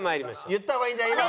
言った方がいいんじゃない？